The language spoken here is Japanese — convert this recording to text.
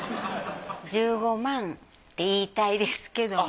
１５万って言いたいですけども。